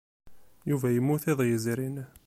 Yuba yemmut iḍ yezrin.